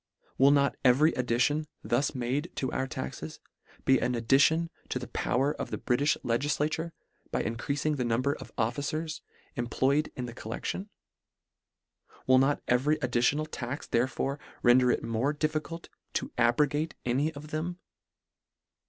Will not every ad dition, thus made to our taxes, be an addition to the power of the Britifh legislature, by increafing the number of officers employ ed in the collection ? Will not every additi onal tax therefore render it more diffi cult to abrogate any of them